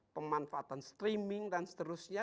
pemanfaatan streaming dan seterusnya